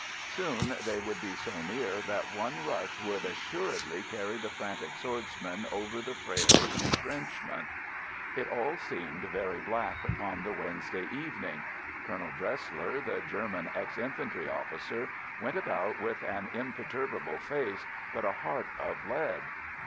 Soon they would be so near that one rush would assuredly carry the frantic swordsmen over the frail entrenchment. It all seemed very black upon the Wednesday evening. Colonel Dresler, the German ex infantry soldier, went about with an imperturbable face, but a heart of lead.